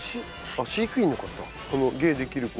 あっ飼育員の方。